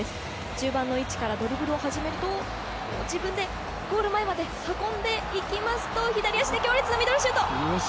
中盤の位置からドリブルを始めると自分でゴール前まで運んでいき左足で強烈なミドルシュート！